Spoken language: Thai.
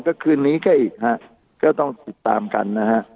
ก็คืนนี้แค่อีกฮะก็ต้องติดตามกันนะฮะ